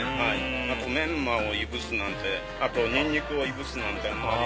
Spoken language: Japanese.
あとメンマをいぶすなんてあとニンニクをいぶすなんてあんまり。